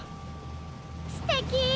すてき！